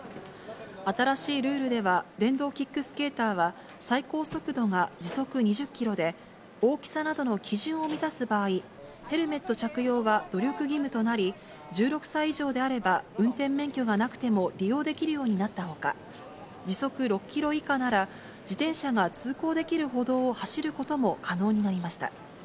新しいルールでは、電動キックスケーターは、最高速度が時速２０キロで、大きさなどの基準を満たす場合、ヘルメット着用は努力義務となり、１６歳以上であれば運転免許がなくても利用できるようになったほか、時速６キロ以下なら、自転車が通行できる歩道を走ることも可能になりました。